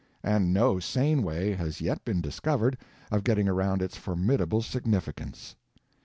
And no sane way has yet been discovered of getting around its formidable significance.